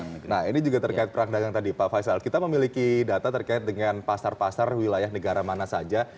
nah ini juga terkait perang dagang tadi pak faisal kita memiliki data terkait dengan pasar pasar wilayah negara mana saja